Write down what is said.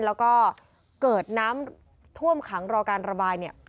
แล้วก็เกิดน้ำท่วมขังรอการระบายเนี่ย